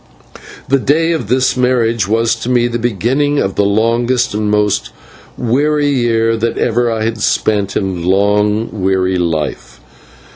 The day of this marriage was to me the beginning of the longest and most weary year that ever I have spent in a long and weary life.